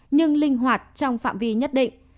nhưng linh hoạt trong phạm vi nhất định